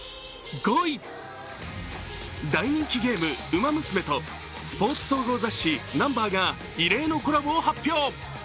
大人気ゲーム「ウマ娘」とスポーツ総合雑誌「Ｎｕｍｂｅｒ」が異例のコラボを発表。